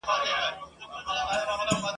انګرېزانو ماته خوړلې ده.